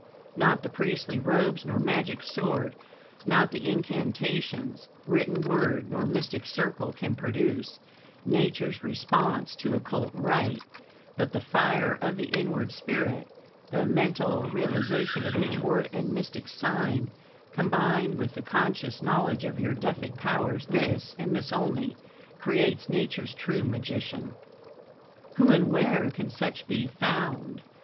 Not the priestly robes nor magic sword, not the incantations, WRITTEN WORD, nor mystic circle, can produce Nature's response to Occult rite; but the fire of the inward spirit, the mental realization of each word and mystic sign, combined with the conscious knowledge of your own Deific powers this, and this only, creates Nature's true magician. Who and where can such be found?